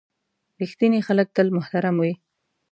• رښتیني خلک تل محترم وي.